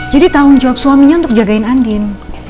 jadi tanggung jawab suaminya untuk jagain andin